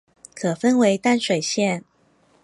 可分為淡水線